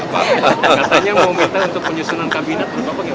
katanya mau minta untuk penyusunan kabinet